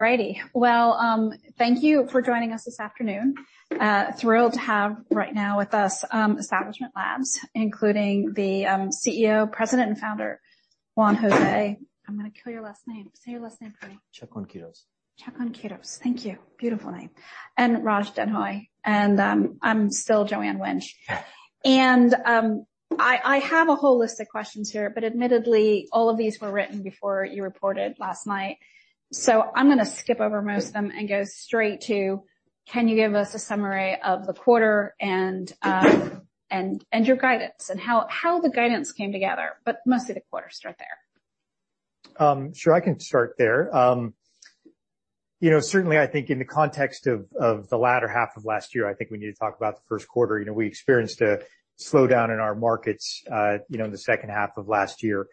All righty. Well, thank you for joining us this afternoon. Thrilled to have right now with us, Establishment Labs, including the CEO, President, and Founder, Juan José. I'm gonna kill your last name. Say your last name for me. Chacon Quitos. Chacón-Quirós. Thank you. Beautiful name. And Raj Denhoy, and, I'm still Joanne Wuensch. And, I have a whole list of questions here, but admittedly, all of these were written before you reported last night. So I'm gonna skip over most of them and go straight to, can you give us a summary of the quarter and your guidance, and how the guidance came together, but mostly the quarter. Start there. Sure, I can start there. You know, certainly, I think in the context of the latter half of last year, I think we need to talk about the first quarter. You know, we experienced a slowdown in our markets, you know, in the second half of last year.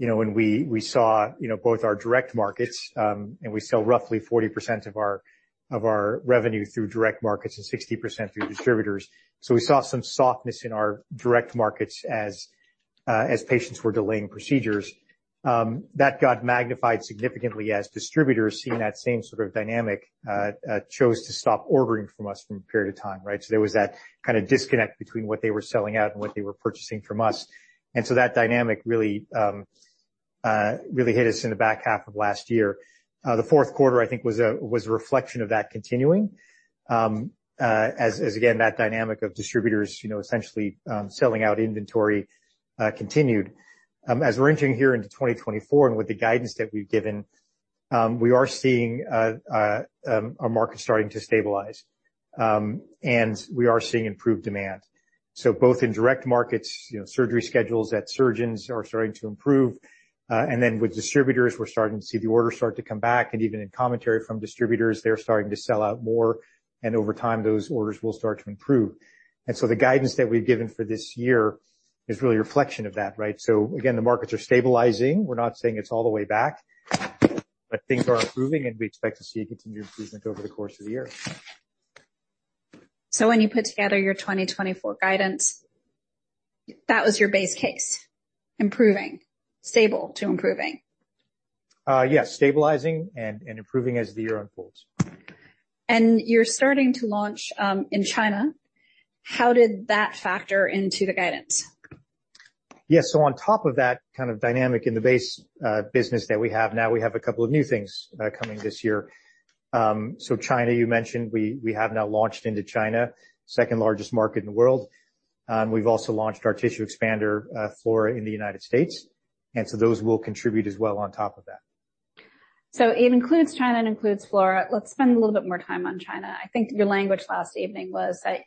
You know, when we saw, you know, both our direct markets, and we sell roughly 40% of our revenue through direct markets and 60% through distributors. We saw some softness in our direct markets as patients were delaying procedures. That got magnified significantly as distributors, seeing that same sort of dynamic, chose to stop ordering from us for a period of time, right? So there was that kind of disconnect between what they were selling out and what they were purchasing from us. That dynamic really really hit us in the back half of last year. The fourth quarter, I think, was a reflection of that continuing, as again, that dynamic of distributors, you know, essentially selling out inventory, continued. As we're entering here into 2024, and with the guidance that we've given, we are seeing our market starting to stabilize. And we are seeing improved demand. So both in direct markets, you know, surgery schedules that surgeons are starting to improve, and then with distributors, we're starting to see the orders start to come back, and even in commentary from distributors, they're starting to sell out more, and over time, those orders will start to improve. The guidance that we've given for this year is really a reflection of that, right? So again, the markets are stabilizing. We're not saying it's all the way back, but things are improving, and we expect to see a continued improvement over the course of the year. When you put together your 2024 guidance, that was your base case, improving, stable to improving? Yes, stabilizing and improving as the year unfolds. You're starting to launch in China. How did that factor into the guidance? Yes. So on top of that kind of dynamic in the base business that we have now, we have a couple of new things coming this year. So China, you mentioned, we have now launched into China, second largest market in the world. And we've also launched our tissue expander, Flora, in the United States, and so those will contribute as well on top of that. It includes China and includes Flora. Let's spend a little bit more time on China. I think your language last evening was that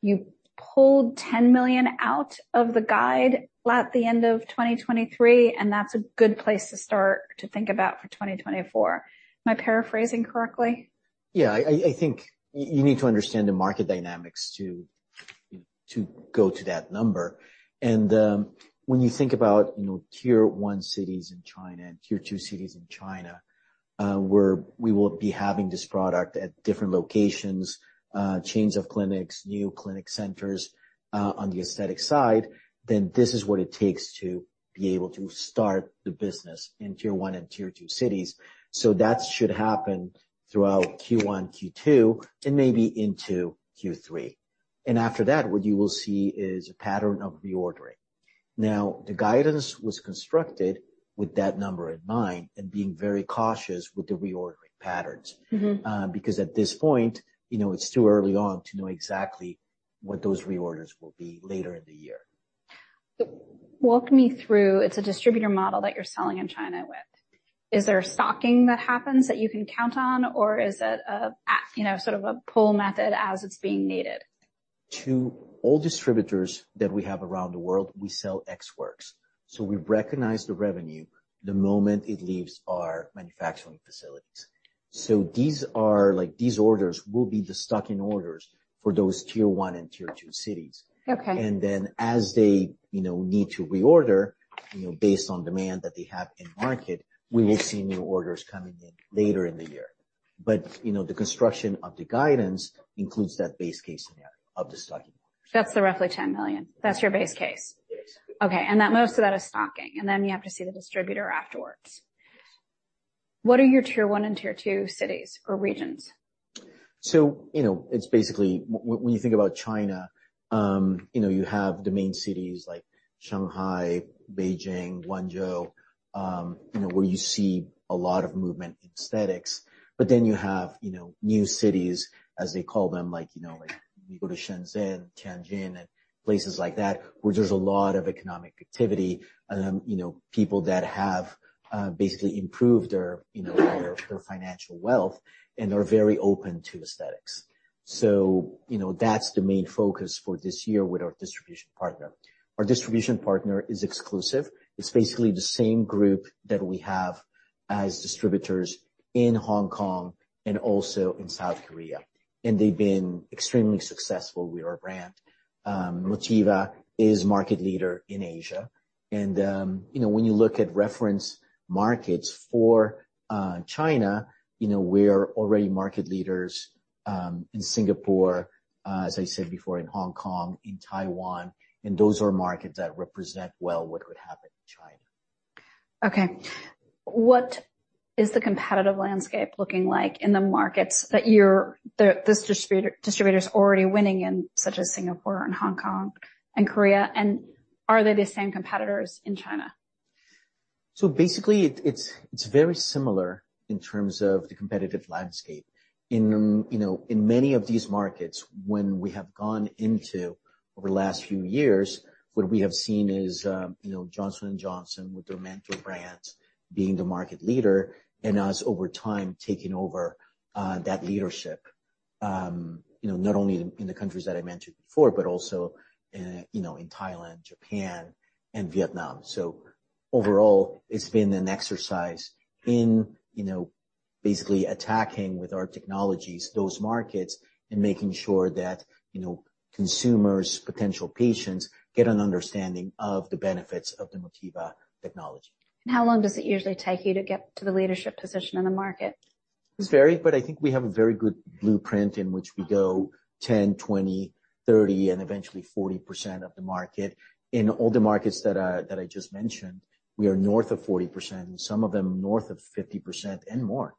you pulled $10 million out of the guide at the end of 2023, and that's a good place to start to think about for 2024. Am I paraphrasing correctly? Yeah, I think you need to understand the market dynamics to go to that number. And when you think about, you know, Tier One cities in China and Tier Two cities in China, where we will be having this product at different locations, chains of clinics, new clinic centers, on the aesthetic side, then this is what it takes to be able to start the business in Tier One and Tier Two cities. So that should happen throughout Q1, Q2, and maybe into Q3. And after that, what you will see is a pattern of reordering. Now, the guidance was constructed with that number in mind and being very cautious with the reordering patterns. Mm-hmm. Because at this point, you know, it's too early on to know exactly what those reorders will be later in the year. Walk me through... It's a distributor model that you're selling in China with. Is there a stocking that happens that you can count on, or is it a you know, sort of a pull method as it's being needed? To all distributors that we have around the world, we sell Ex Works, so we recognize the revenue the moment it leaves our manufacturing facilities. So these are, like, these orders will be the stocking orders for those Tier One and Tier Two cities. Okay. Then, as they, you know, need to reorder, you know, based on demand that they have in market, we will see new orders coming in later in the year. But, you know, the construction of the guidance includes that base case scenario of the stocking. That's the roughly $10 million. That's your base case? Yes. Okay, and that most of that is stocking, and then you have to see the distributor afterwards. Yes. What are your Tier One and Tier Two cities or regions? It's basically, when you think about China, you know, you have the main cities like Shanghai, Beijing, Guangzhou, you know, where you see a lot of movement in aesthetics, but then you have, you know, new cities, as they call them, like, you know, like you go to Shenzhen, Tianjin, and places like that, where there's a lot of economic activity, you know, people that have, basically improved their, you know, their, their financial wealth and are very open to aesthetics. That's the main focus for this year with our distribution partner. Our distribution partner is exclusive. It's basically the same group that we have as distributors in Hong Kong and also in South Korea, and they've been extremely successful with our brand. Motiva is market leader in Asia, and, you know, when you look at reference markets for, China, you know, we're already market leaders, in Singapore, as I said before, in Hong Kong, in Taiwan, and those are markets that represent well what would happen in China. Okay. What is the competitive landscape looking like in the markets that you're, that this distributor is already winning in, such as Singapore and Hong Kong and Korea? And are they the same competitors in China? Basically, it's very similar in terms of the competitive landscape. In, you know, in many of these markets, when we have gone into over the last few years, what we have seen is, you know, Johnson & Johnson, with their Mentor brands, being the market leader, and us, over time, taking over, that leadership. You know, not only in, in the countries that I mentioned before, but also, you know, in Thailand, Japan, and Vietnam. So overall, it's been an exercise in, you know, basically attacking, with our technologies, those markets and making sure that, you know, consumers, potential patients, get an understanding of the benefits of the Motiva technology. How long does it usually take you to get to the leadership position in the market? It varies, but I think we have a very good blueprint in which we go 10, 20, 30, and eventually 40% of the market. In all the markets that I just mentioned, we are north of 40%, and some of them, north of 50% and more.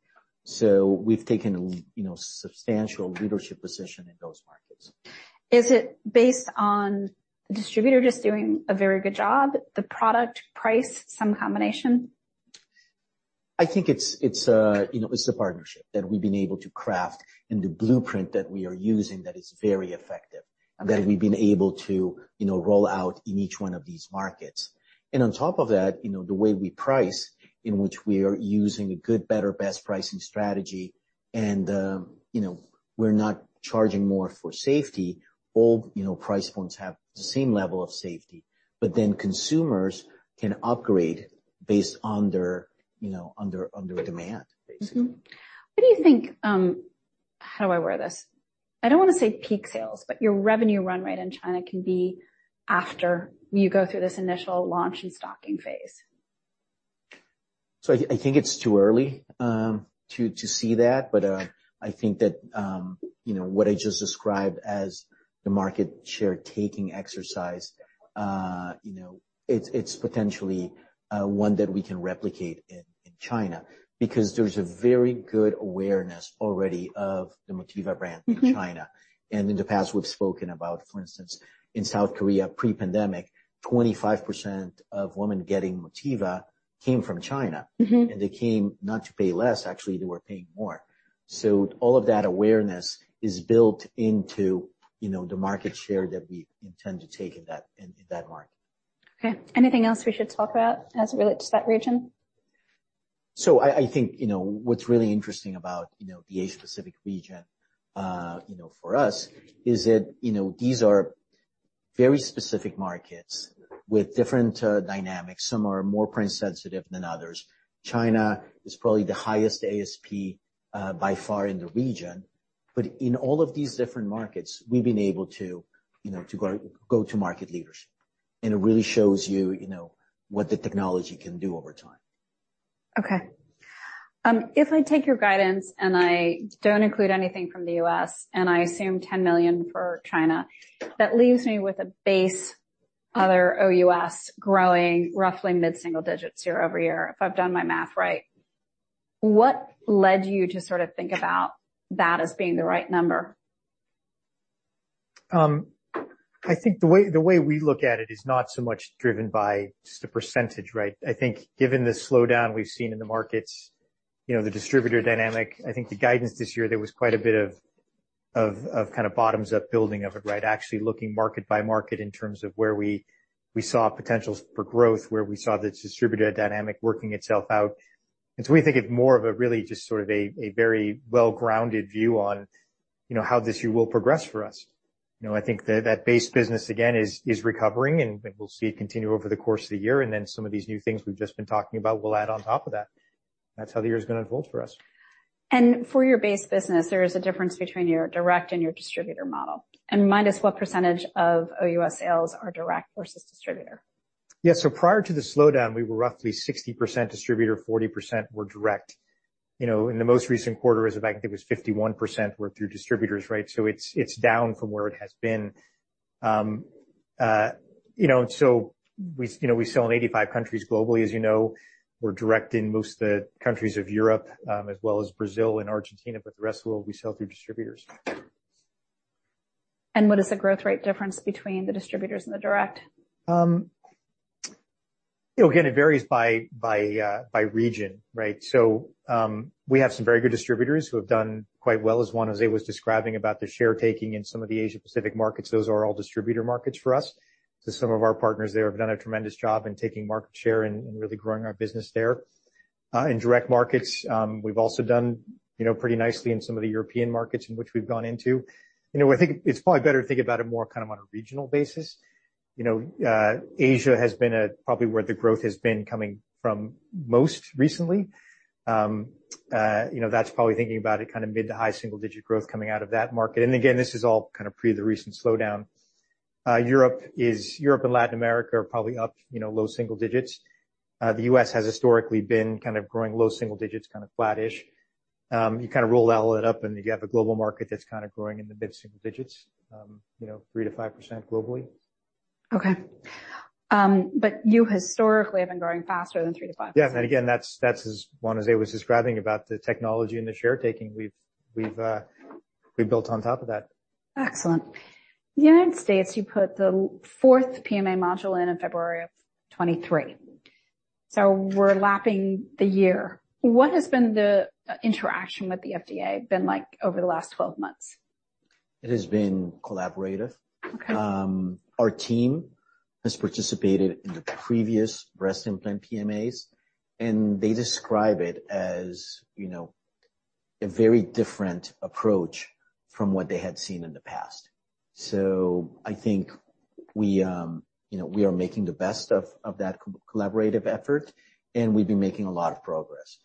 So we've taken a, you know, substantial leadership position in those markets. Is it based on the distributor just doing a very good job, the product, price, some combination? I think it's, you know, it's the partnership that we've been able to craft and the blueprint that we are using that is very effective and that we've been able to, you know, roll out in each one of these markets. And on top of that, you know, the way we price, in which we are using a good, better, best pricing strategy, and, you know, we're not charging more for safety. All, you know, price points have the same level of safety, but then consumers can upgrade based on their, you know, on their, on their demand, basically. Mm-hmm. What do you think? How do I word this? I don't want to say peak sales, but your revenue run rate in China can be after you go through this initial launch and stocking phase. I think it's too early to see that, but I think that, you know, what I just described as the market share taking exercise, you know, it's potentially one that we can replicate in China because there's a very good awareness already of the Motiva brand in China. Mm-hmm. In the past, we've spoken about, for instance, in South Korea, pre-pandemic, 25% of women getting Motiva came from China. Mm-hmm. They came not to pay less, actually, they were paying more. All of that awareness is built into, you know, the market share that we intend to take in that market. Okay. Anything else we should talk about as it relates to that region? What's really interesting about the Asia Pacific region for us, is that, these are very specific markets with different dynamics. Some are more price sensitive than others. China is probably the highest ASP, by far in the region. But in all of these different markets, we've been able to, you know, to go to market leadership, and it really shows you, you know, what the technology can do over time. Okay. If I take your guidance, and I don't include anything from the U.S., and I assume $10 million for China, that leaves me with a base, other OUS, growing roughly mid-single digits year-over-year, if I've done my math right. What led you to sort of think about that as being the right number? I think the way we look at it is not so much driven by just the percentage, right? I think given the slowdown we've seen in the markets, you know, the distributor dynamic, I think the guidance this year, there was quite a bit of kind of bottoms-up building of it, right? Actually looking market by market in terms of where we saw potentials for growth, where we saw the distributor dynamic working itself out. And so we think it's more of a really just sort of a very well-grounded view on, you know, how this year will progress for us. You know, I think that base business, again, is recovering, and we'll see it continue over the course of the year, and then some of these new things we've just been talking about will add on top of that. That's how the year's going to unfold for us. For your base business, there is a difference between your direct and your distributor model. Remind us, what percentage of OUS sales are direct versus distributor? Yeah, so prior to the slowdown, we were roughly 60% distributor, 40% were direct. You know, in the most recent quarter, as a matter of fact, it was 51% were through distributors, right? So it's, it's down from where it has been. You know, so we, you know, we sell in 85 countries globally, as you know. We're direct in most of the countries of Europe, as well as Brazil and Argentina, but the rest of the world, we sell through distributors. What is the growth rate difference between the distributors and the direct? It varies by region, right? So, we have some very good distributors who have done quite well, as Juan José was describing about the share taking in some of the Asia Pacific markets. Those are all distributor markets for us. So some of our partners there have done a tremendous job in taking market share and really growing our business there. In direct markets, we've also done, you know, pretty nicely in some of the European markets in which we've gone into. You know, I think it's probably better to think about it more kind of on a regional basis. You know, Asia has been probably where the growth has been coming from most recently. You know, that's probably thinking about it, kind of mid- to high-single-digit growth coming out of that market. Again, this is all kind of pre the recent slowdown. Europe and Latin America are probably up, you know, low single digits. The US has historically been kind of growing low single digits, kind of flattish. You kind of roll all that up, and you have a global market that's kind of growing in the mid-single digits, you know, 3%-5% globally. Okay. But you historically have been growing faster than 3%-5%? Yeah, and again, that's as Juan José was describing about the technology and the share taking. We've built on top of that. Excellent. United States, you put the fourth PMA module in February of 2023. So we're lapping the year. What has been the interaction with the FDA been like over the last 12 months? It has been collaborative. Okay. Our team has participated in the previous breast implant PMAs, and they describe it as, you know, a very different approach from what they had seen in the past. So I think we, you know, we are making the best of, of that co-collaborative effort, and we've been making a lot of progress.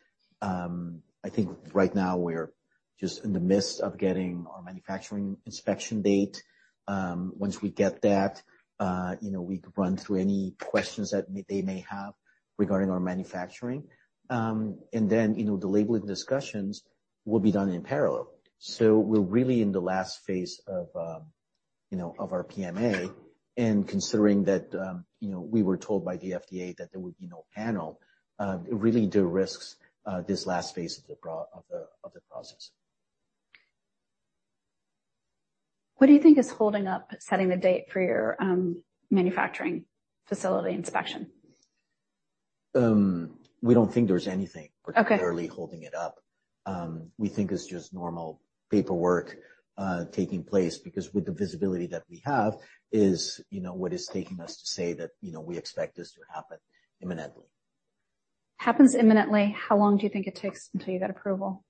I think right now we're just in the midst of getting our manufacturing inspection date. Once we get that, you know, we could run through any questions that they may have regarding our manufacturing. And then, you know, the labeling discussions will be done in parallel. We're really in the last phase of, you know, of our PMA, and considering that, you know, we were told by the FDA that there would be no panel, it really de-risks this last phase of the process. What do you think is holding up setting the date for your manufacturing facility inspection? We don't think there's anything- Okay. -particularly holding it up. We think it's just normal paperwork taking place, because with the visibility that we have is, you know, what is taking us to say that, you know, we expect this to happen imminently. Happens imminently, how long do you think it takes until you get approval?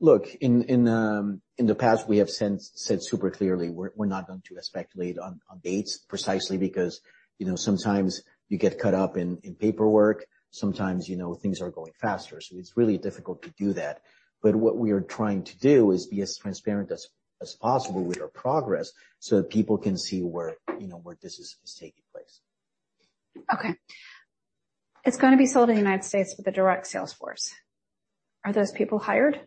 Look, in the past, we have said super clearly, we're not going to speculate on dates, precisely because, you know, sometimes you get caught up in paperwork, sometimes, you know, things are going faster, so it's really difficult to do that. But what we are trying to do is be as transparent as possible with our progress so that people can see where, you know, where this is taking place. Okay. It's going to be sold in the United States with a direct sales force. Are those people hired?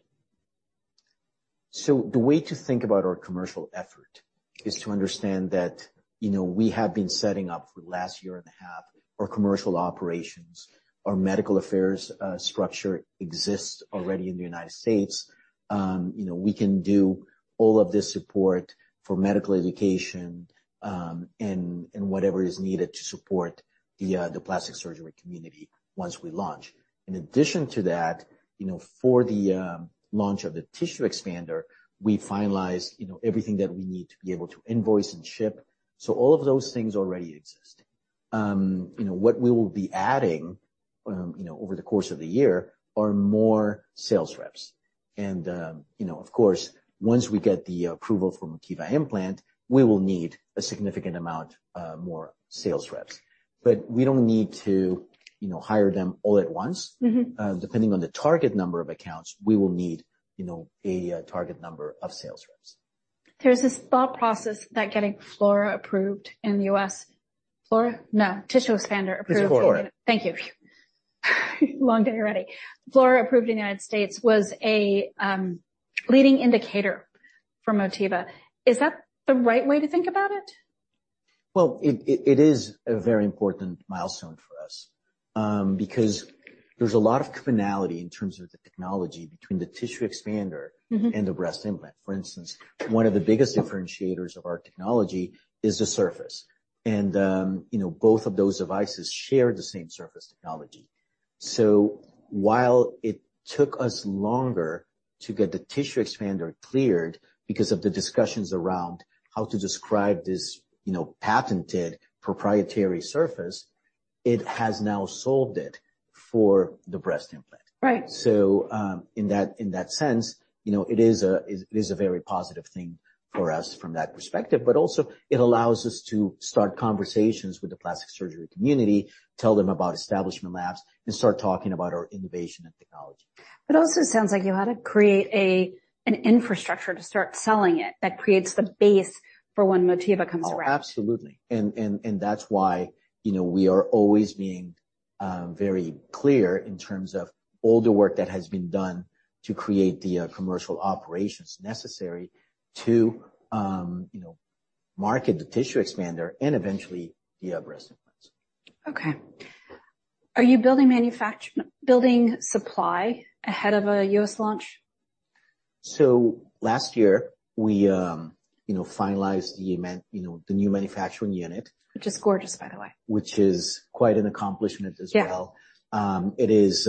The way to think about our commercial effort is to understand that, you know, we have been setting up for the last year and a half, our commercial operations, our medical affairs, structure exists already in the United States. You know, we can do all of this support for medical education, and, and whatever is needed to support the, the plastic surgery community once we launch. In addition to that, you know, for the, launch of the tissue expander, we finalized, everything that we need to be able to invoice and ship. So all of those things already exist. You know, what we will be adding, you know, over the course of the year are more sales reps. You know, of course, once we get the approval from Motiva Implants, we will need a significant amount more sales reps. But we don't need to, you know, hire them all at once. Mm-hmm. Depending on the target number of accounts, we will need, you know, a target number of sales reps. There's this thought process that getting Flora approved in the U.S.... Flora? No, tissue expander approved- It's Flora. Thank you. Long day already. Flora approved in the United States was a leading indicator for Motiva. Is that the right way to think about it? Well, it is a very important milestone for us, because there's a lot of commonality in terms of the technology between the tissue expander- Mm-hmm. and the breast implant. For instance, one of the biggest differentiators of our technology is the surface. And, you know, both of those devices share the same surface technology. So while it took us longer to get the tissue expander cleared, because of the discussions around how to describe this, you know, patented proprietary surface, it has now solved it for the breast implant. Right. In that, in that sense, you know, it is a, it is a very positive thing for us from that perspective, but also it allows us to start conversations with the plastic surgery community, tell them about Establishment Labs, and start talking about our innovation and technology. It also sounds like you had to create an infrastructure to start selling it that creates the base for when Motiva comes around. Oh, absolutely. And that's why, you know, we are always being very clear in terms of all the work that has been done to create the commercial operations necessary to, you know, market the tissue expander and eventually the breast implants. Okay. Are you building supply ahead of a U.S. launch? Last year, we, you know, finalized the, you know, the new manufacturing unit. Which is gorgeous, by the way. Which is quite an accomplishment as well. Yeah. It is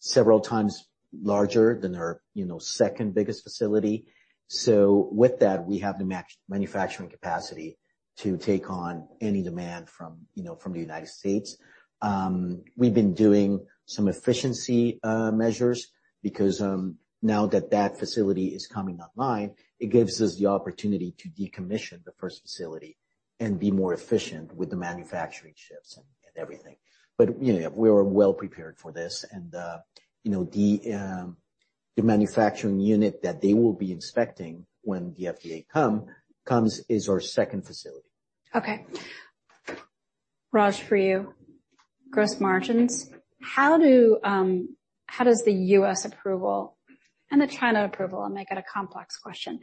several times larger than our, you know, second biggest facility. So with that, we have the maximum manufacturing capacity to take on any demand from, you know, from the United States. We've been doing some efficiency measures because now that that facility is coming online, it gives us the opportunity to decommission the first facility and be more efficient with the manufacturing shifts and everything. But, you know, we were well prepared for this, and you know, the manufacturing unit that they will be inspecting when the FDA comes is our second facility. Okay, Raj, for you, gross margins, how does the U.S. approval and the China approval, I'll make it a complex question,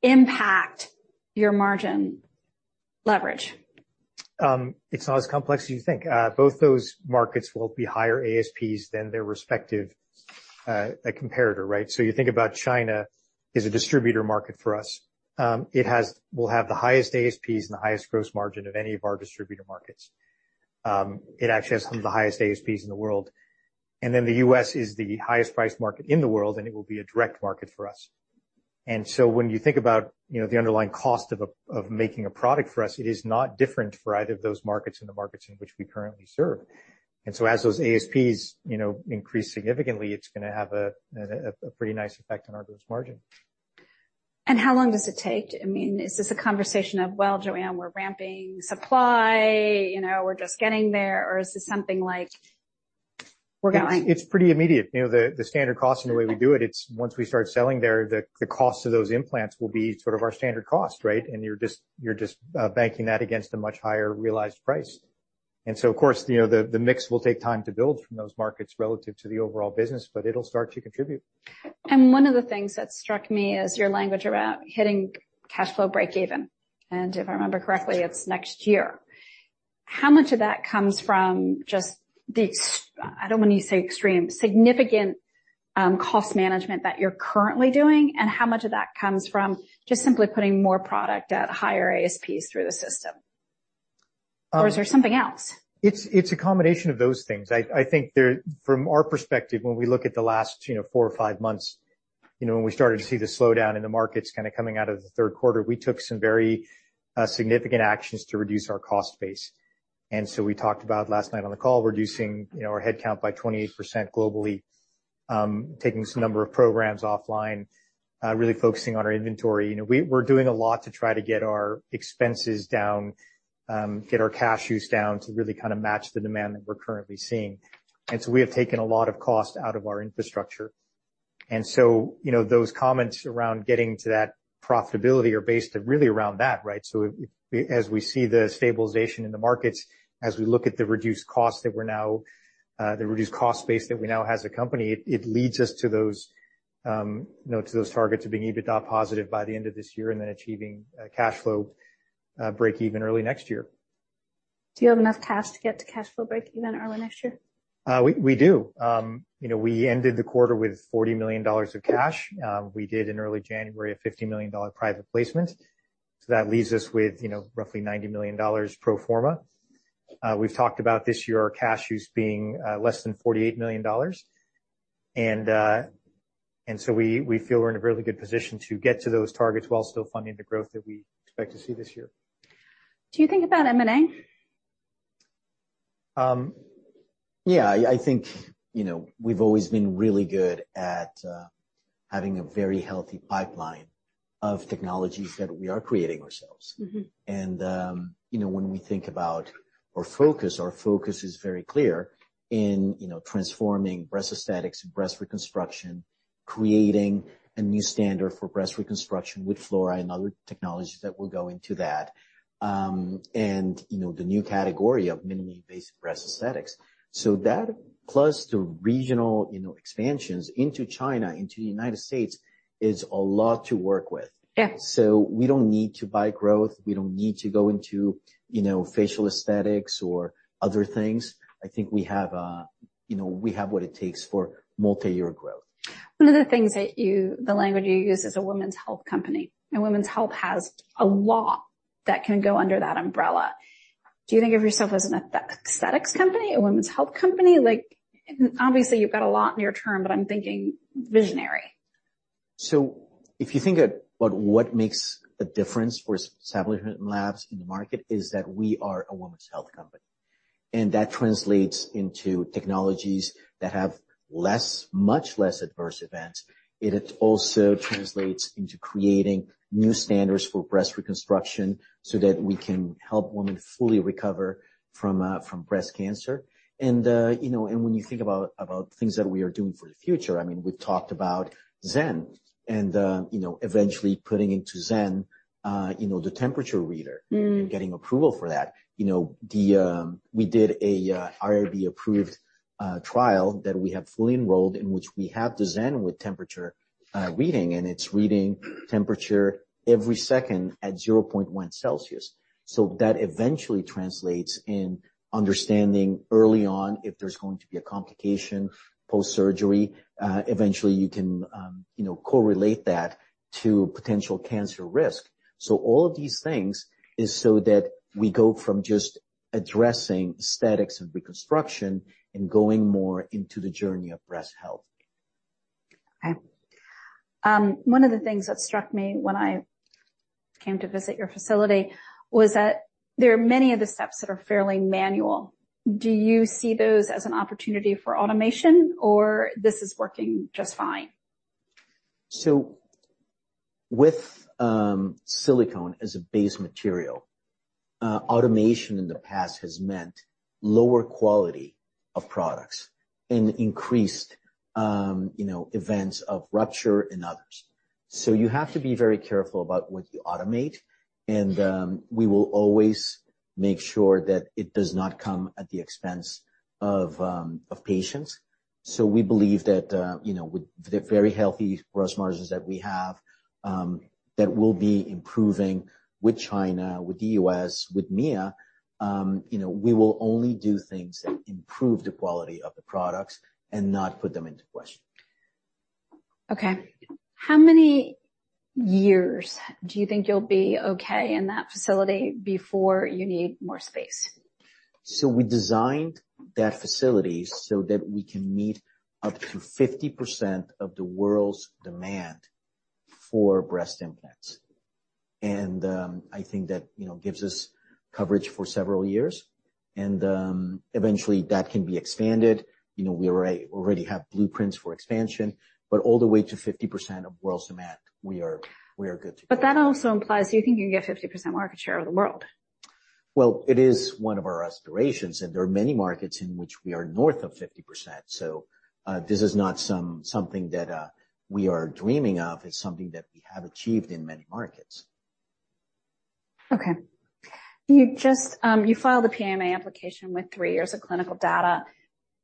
impact your margin leverage? It's not as complex as you think. Both those markets will be higher ASPs than their respective a comparator, right? So you think about China is a distributor market for us. It will have the highest ASPs and the highest gross margin of any of our distributor markets. It actually has some of the highest ASPs in the world. Then the US is the highest priced market in the world, and it will be a direct market for us. And so when you think about, you know, the underlying cost of making a product for us, it is not different for either of those markets and the markets in which we currently serve. And so as those ASPs, you know, increase significantly, it's gonna have a pretty nice effect on our gross margin. How long does it take? I mean, is this a conversation of, "Well, Joanne, we're ramping supply, you know, we're just getting there," or is this something like, "We're going? It's pretty immediate. You know, the standard cost and the way we do it, it's once we start selling there, the cost of those implants will be sort of our standard cost, right? And you're just banking that against a much higher realized price. And so, of course, you know, the mix will take time to build from those markets relative to the overall business, but it'll start to contribute. One of the things that struck me is your language around hitting cash flow break even, and if I remember correctly, it's next year. How much of that comes from just the ex- I don't want to say extreme, significant, cost management that you're currently doing, and how much of that comes from just simply putting more product at higher ASPs through the system? Or is there something else? It's a combination of those things. I think from our perspective, when we look at the last, you know, 4 or 5 months, you know, when we started to see the slowdown in the markets kind of coming out of the third quarter, we took some very significant actions to reduce our cost base. We talked about last night on the call, reducing, you know, our headcount by 28% globally, taking some number of programs offline, really focusing on our inventory. You know, we're doing a lot to try to get our expenses down, get our cash use down to really kind of match the demand that we're currently seeing. And so we have taken a lot of cost out of our infrastructure. Those comments around getting to that profitability are based really around that, right? So as we see the stabilization in the markets, as we look at the reduced cost that we're now, the reduced cost base that we now as a company, it leads us to those, you know, to those targets of being EBITDA positive by the end of this year and then achieving, cash flow, break even early next year. Do you have enough cash to get to cash flow break even early next year? We do. You know, we ended the quarter with $40 million of cash. We did in early January a $50 million private placement. So that leaves us with, you know, roughly $90 million pro forma. We've talked about this year our cash use being less than $48 million. And so we feel we're in a really good position to get to those targets while still funding the growth that we expect to see this year. Do you think about M&A? Yeah, I think, you know, we've always been really good at having a very healthy pipeline of technologies that we are creating ourselves. Mm-hmm. When we think about our focus, our focus is very clear in, you know, transforming breast aesthetics and breast reconstruction, creating a new standard for breast reconstruction with Flora and other technologies that will go into that. You know, the new category of mini-based breast aesthetics. That, plus the regional, you know, expansions into China, into the United States, is a lot to work with. Yeah. We don't need to buy growth. We don't need to go into, you know, facial aesthetics or other things. I think we have, you know, we have what it takes for multi-year growth. One of the things that the language you use is a women's health company, and women's health has a lot that can go under that umbrella. Do you think of yourself as an aesthetics company, a women's health company? Like, obviously, you've got a lot near term, but I'm thinking visionary. So if you think about what makes a difference for Establishment Labs in the market, is that we are a women's health company, and that translates into technologies that have less, much less adverse events. It also translates into creating new standards for breast reconstruction so that we can help women fully recover from breast cancer. And you know, and when you think about things that we are doing for the future, I mean, we've talked about Zen and you know, eventually putting into Zen you know, the temperature reader- Mm. - and getting approval for that. You know, the. We did a IRB-approved trial that we have fully enrolled, in which we have the Zen with temperature reading, and it's reading temperature every second at 0.1 degrees Celsius. So that eventually translates in understanding early on if there's going to be a complication post-surgery. Eventually, you can, you know, correlate that to potential cancer risk. So all of these things is so that we go from just addressing aesthetics and reconstruction and going more into the journey of breast health. Okay. One of the things that struck me when I came to visit your facility was that there are many of the steps that are fairly manual. Do you see those as an opportunity for automation, or this is working just fine? With silicone as a base material, automation in the past has meant lower quality of products and increased, you know, events of rupture and others. So you have to be very careful about what you automate, and we will always make sure that it does not come at the expense of patients. So we believe that, you know, with the very healthy gross margins that we have, that will be improving with China, with the US, with EMEA, you know, we will only do things that improve the quality of the products and not put them into question. Okay. How many years do you think you'll be okay in that facility before you need more space? We designed that facility so that we can meet up to 50% of the world's demand for breast implants. I think that, you know, gives us coverage for several years, and eventually, that can be expanded. You know, we already have blueprints for expansion, but all the way to 50% of world's demand, we are good to go. But that also implies, you think you can get 50% market share of the world? Well, it is one of our aspirations, and there are many markets in which we are north of 50%. So, this is not something that we are dreaming of. It's something that we have achieved in many markets. Okay. You just, you filed a PMA application with three years of clinical data.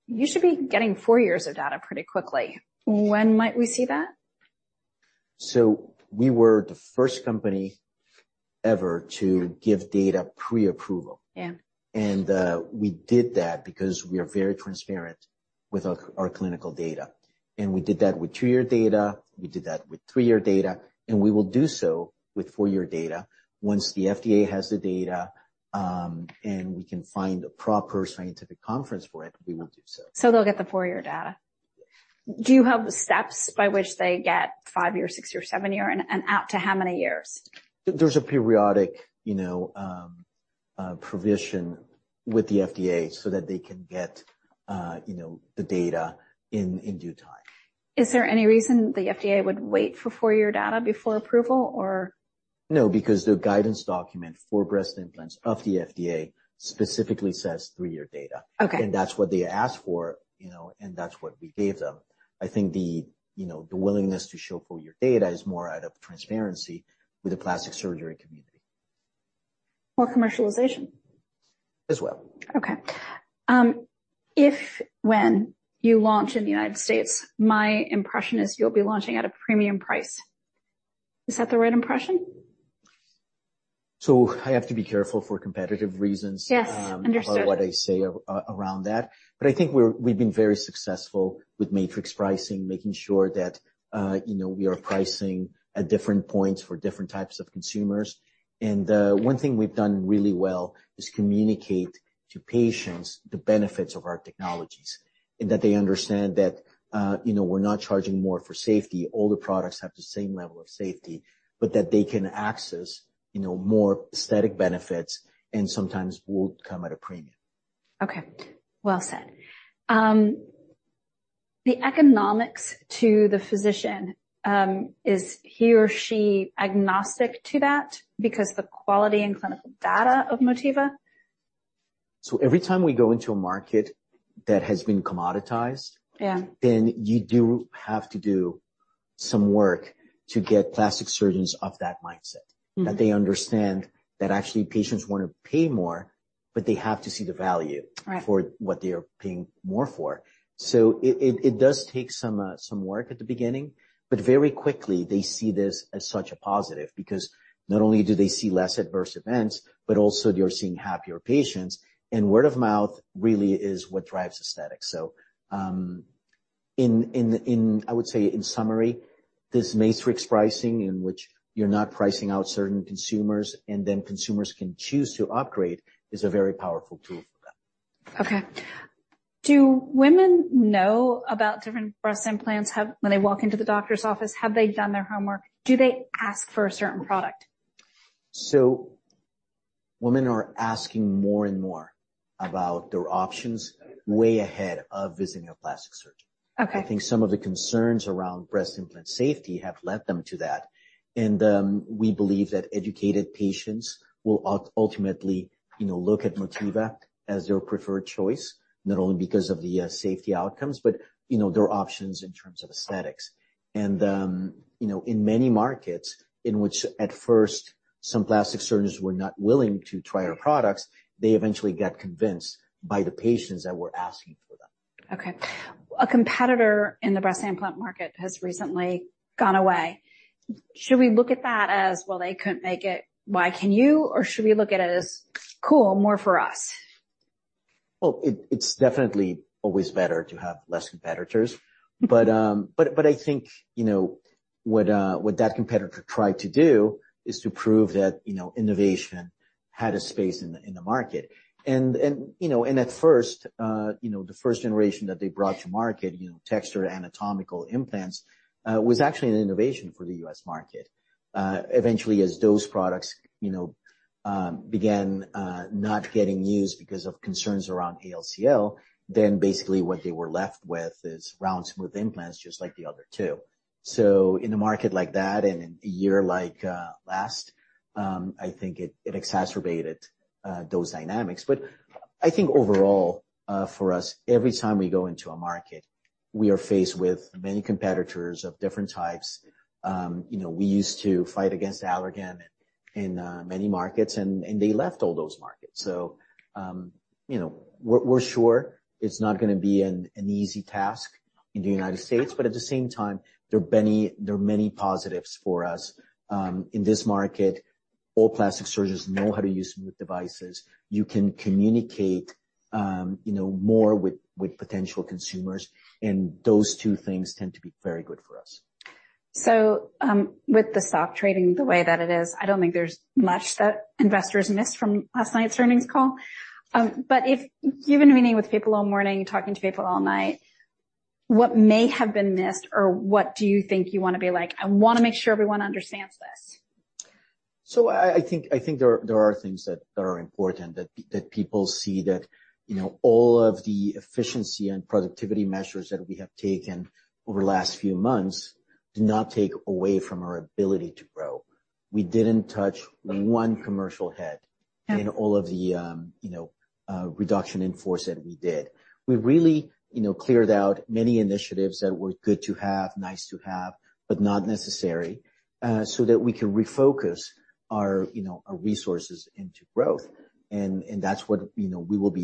You should be getting four years of data pretty quickly. When might we see that? We were the first company ever to give data pre-approval. Yeah. We did that because we are very transparent with our, our clinical data. We did that with two-year data, we did that with three-year data, and we will do so with four-year data. Once the FDA has the data, and we can find a proper scientific conference for it, we will do so. So they'll get the 4-year data? Do you have the steps by which they get 5-year, 6-year, 7-year, and out to how many years? There's a periodic, you know, provision with the FDA so that they can get, you know, the data in due time. Is there any reason the FDA would wait for four-year data before approval, or? No, because the guidance document for breast implants of the FDA specifically says 3-year data. Okay. That's what they asked for, you know, and that's what we gave them. I think the, you know, the willingness to show four-year data is more out of transparency with the plastic surgery community. More commercialization? As well. Okay. If, when you launch in the United States, my impression is you'll be launching at a premium price. Is that the right impression? I have to be careful for competitive reasons- Yes. Understood. about what I say around that. But I think we've been very successful with matrix pricing, making sure that, you know, we are pricing at different points for different types of consumers. And, one thing we've done really well is communicate to patients the benefits of our technologies, and that they understand that, you know, we're not charging more for safety. All the products have the same level of safety, but that they can access, you know, more aesthetic benefits and sometimes will come at a premium. Okay. Well said. The economics to the physician, is he or she agnostic to that? Because the quality and clinical data of Motiva. Every time we go into a market that has been commoditized- Yeah. Then you do have to do some work to get plastic surgeons of that mindset. Mm-hmm. That they understand that actually, patients want to pay more, but they have to see the value- Right... for what they are paying more for. So it does take some work at the beginning, but very quickly, they see this as such a positive, because not only do they see less adverse events, but also they are seeing happier patients, and word of mouth really is what drives aesthetics. So, I would say in summary, this matrix pricing, in which you're not pricing out certain consumers, and then consumers can choose to upgrade, is a very powerful tool for that. Okay. Do women know about different breast implants... When they walk into the doctor's office, have they done their homework? Do they ask for a certain product? Women are asking more and more about their options way ahead of visiting a plastic surgeon. Okay. I think some of the concerns around breast implant safety have led them to that. And, we believe that educated patients will ultimately, you know, look at Motiva as their preferred choice, not only because of the safety outcomes, but, you know, their options in terms of aesthetics. And, you know, in many markets in which at first, some plastic surgeons were not willing to try our products, they eventually got convinced by the patients that were asking for them. Okay. A competitor in the breast implant market has recently gone away. Should we look at that as, "Well, they couldn't make it, why can you?" Or should we look at it as, "Cool, more for us? Well, it's definitely always better to have less competitors. Mm-hmm. But I think, you know, what that competitor tried to do is to prove that, you know, innovation had a space in the market. And you know, at first, you know, the first generation that they brought to market, you know, textured anatomical implants was actually an innovation for the U.S. market. Eventually, as those products, you know, began not getting used because of concerns around ALCL, then basically what they were left with is round, smooth implants, just like the other two. So in a market like that, and in a year like last, I think it exacerbated those dynamics. But I think overall, for us, every time we go into a market, we are faced with many competitors of different types. You know, we used to fight against Allergan in many markets, and they left all those markets. So, you know, we're sure it's not gonna be an easy task in the United States, but at the same time, there are many positives for us. In this market, all plastic surgeons know how to use smooth devices. You can communicate, you know, more with potential consumers, and those two things tend to be very good for us. With the stock trading the way that it is, I don't think there's much that investors missed from last night's earnings call. But if you've been meeting with people all morning, talking to people all night, what may have been missed, or what do you think you wanna be like, "I wanna make sure everyone understands this? So, I think there are things that are important that people see, you know, all of the efficiency and productivity measures that we have taken over the last few months do not take away from our ability to grow. We didn't touch one commercial head- Yeah. In all of the, you know, reduction in force that we did. We really, you know, cleared out many initiatives that were good to have, nice to have, but not necessary, so that we could refocus our, you know, our resources into growth. And that's what, you know, we will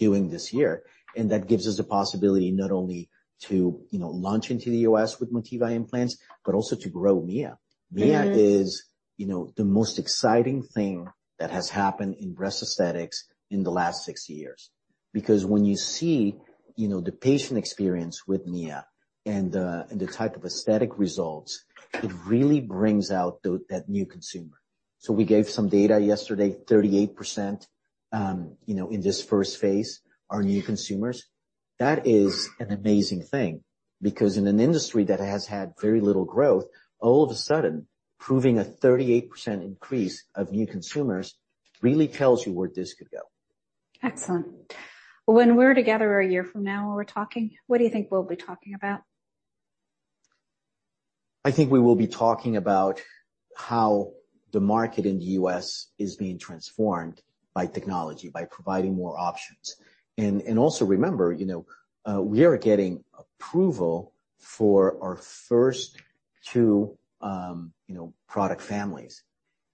be doing this year, and that gives us the possibility not only to, you know, launch into the U.S. with Motiva Implants, but also to grow Mia. Mm-hmm. Mia is, you know, the most exciting thing that has happened in breast aesthetics in the last six years. Because when you see, you know, the patient experience with Mia and the type of aesthetic results, it really brings out that new consumer. So we gave some data yesterday, 38%, you know, in this first phase, are new consumers. That is an amazing thing, because in an industry that has had very little growth, all of a sudden, proving a 38% increase of new consumers really tells you where this could go. Excellent. When we're together a year from now, when we're talking, what do you think we'll be talking about? I think we will be talking about how the market in the U.S. is being transformed by technology, by providing more options. And also remember, you know, we are getting approval for our first two, you know, product families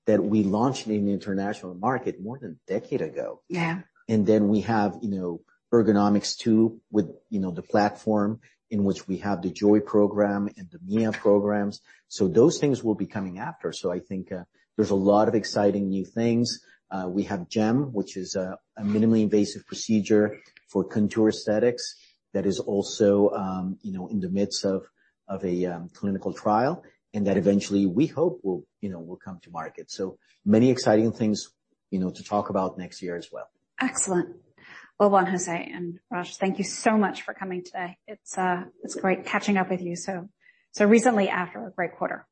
that we launched in the international market more than a decade ago. Yeah. Then we have, you know, Ergonomix2, with, you know, the platform in which we have the Joy program and the Mia programs. So those things will be coming after. So I think, there's a lot of exciting new things. We have GEM, which is a minimally invasive procedure for contour aesthetics that is also, you know, in the midst of a clinical trial, and that eventually, we hope, will, you know, come to market. So many exciting things, you know, to talk about next year as well. Excellent. Well, Juan José and Raj, thank you so much for coming today. It's, it's great catching up with you so, so recently after a great quarter.